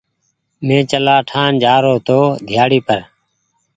مين چلآ ٺآن جآرو هيتو ڍيآڙي پر۔